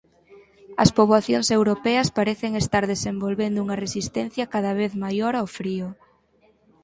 As poboacións europeas parecen estar desenvolvendo unha resistencia cada vez maior ao frío.